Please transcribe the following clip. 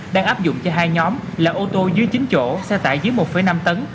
đang áp dụng cho hai nhóm là ô tô dưới chín chỗ xe tải dưới một năm tấn